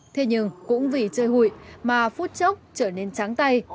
thế nhưng cũng vì chơi hụi mà phút chốc trở nên trắng tay